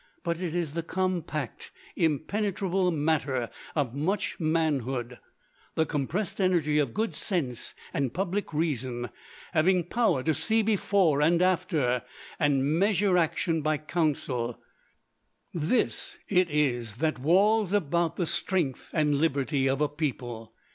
But it is the compact, impenetrable matter of much manhood, the compressed energy of good sense and public reason, having power to see before and after and measure action by counsel this it is that walls about the strength and liberty of a people.